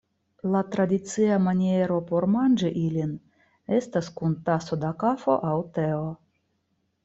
La tradicia maniero por manĝi ilin estas kun taso da kafo aŭ teo.